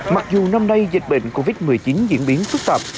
mặc dù năm nay dịch bệnh covid một mươi chín diễn biến phức tạp